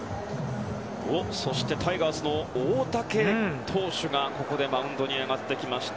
タイガースの大竹投手がマウンドに上がってきました。